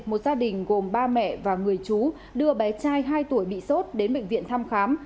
một gia đình gồm ba mẹ và người chú đưa bé trai hai tuổi bị sốt đến bệnh viện thăm khám